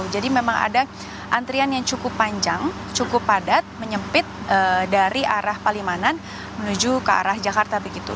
jadi memang ada antrian yang cukup panjang cukup padat menyempit dari arah palimanan menuju ke arah jakarta begitu